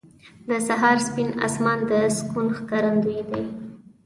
• د سهار سپین اسمان د سکون ښکارندوی دی.